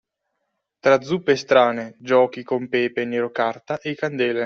Tra zuppe strane, giochi con pepe nero carta e candele